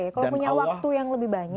kalau punya waktu yang lebih banyak